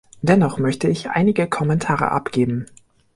Dennoch möchte ich einige Kommentare abgeben.